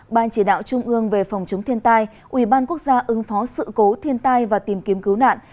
ban chỉ đạo trung ương về phòng chống thiên tai ubnd ứng phó sự cố thiên tai và tìm kiếm cứu nạn